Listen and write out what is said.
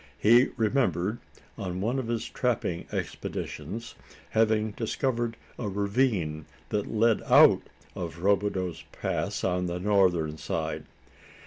He remembered, on one of his trapping expeditions, having discovered a ravine that led out of Robideau's Pass on the northern side.